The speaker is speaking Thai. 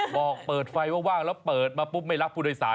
บอกเปิดไฟว่างแล้วเปิดมาปุ๊บไม่รับผู้โดยสาร